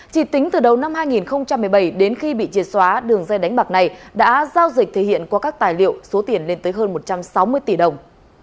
chỉ tính từ đầu năm hai nghìn một mươi bảy đến khi bị chia xóa đường dây đánh bạc này đã giao dịch thể hiện qua các tài liệu số tiền lên tới hơn một trăm sáu mươi tỷ đồng